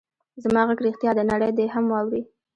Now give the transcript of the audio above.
زما غږ رښتیا دی؛ نړۍ دې هم واوري.